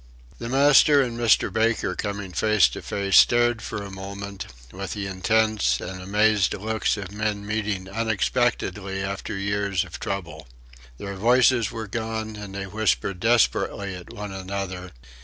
The master and Mr. Baker coming face to face stared for a moment, with the intense and amazed looks of men meeting unexpectedly after years of trouble. Their voices were gone, and they whispered desperately at one another.